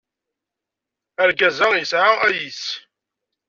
Argaz-a yesɛa ayis.